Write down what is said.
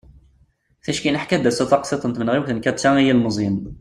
ticki neḥka-d ass-a taqsiḍt n tmenɣiwt n katia i yilmeẓyen